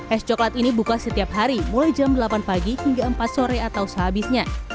es coklat ini buka setiap hari mulai jam delapan pagi hingga empat sore atau sehabisnya